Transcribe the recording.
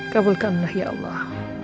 kabulkanlah ya allah